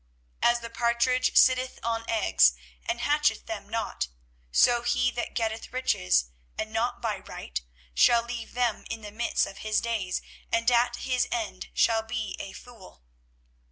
24:017:011 As the partridge sitteth on eggs, and hatcheth them not; so he that getteth riches, and not by right, shall leave them in the midst of his days, and at his end shall be a fool.